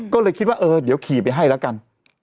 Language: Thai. ก็เลยคิดว่าเออเดี๋ยวขี่ไปให้แล้วกัน